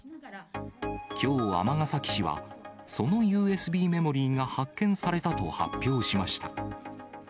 きょう、尼崎市は、そのＵＳＢメモリーが発見されたと発表しました。